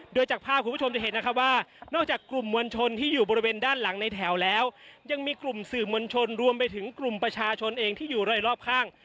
โดยจากภาพคุณผู้ชมจะเห็นนะคะว่านอกจากกลุ่มมวลชนที่อยู่บริเวณด้านหลังในแถวแล้วยังมีกลุ่มสื่อมวลชนรวมไปถึงกลุ่มประชาชนเองที่อยู่รายรอบข้าง